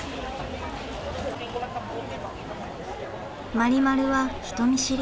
マリマルは人見知り。